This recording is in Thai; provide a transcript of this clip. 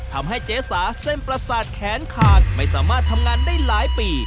ทำให้เจ๊สาเส้นประสาทแขนขาดไม่สามารถทำงานได้หลายปี